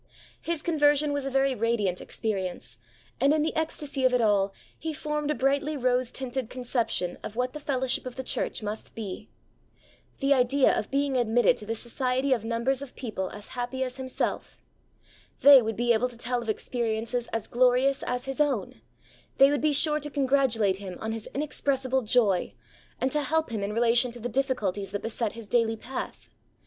His conversion was a very radiant experience, and, in the ecstasy of it all, he formed a brightly rose tinted conception of what the fellowship of the church must be. The idea of being admitted to the society of numbers of people as happy as himself! They would be able to tell of experiences as glorious as his own; they would be sure to congratulate him on his inexpressible joy, and to help him in relation to the difficulties that beset his daily path.